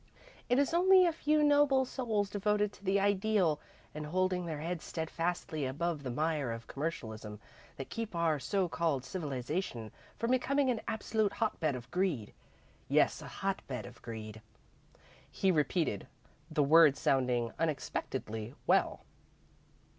It is only a few noble souls devoted to the Ideal and holding their heads steadfastly above the mire of commercialism that keep our so called civilisation from becoming an absolute hotbed of greed yes, a hotbed of greed," he repeated, the words sounding unexpectedly well.